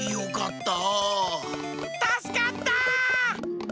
たすかった！